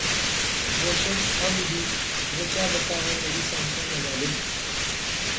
وہ شخص اب بھی رچا بسا ہے میری سانسوں میں غالب